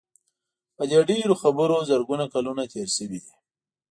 په دې ډېرو خبرو زرګونه کلونه تېر شوي دي.